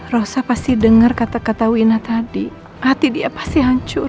rosa pasti dengar kata kata wina tadi hati dia pasti hancur